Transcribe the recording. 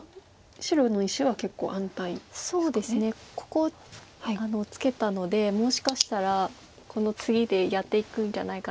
ここツケたのでもしかしたらこのツギでやっていくんじゃないかなと。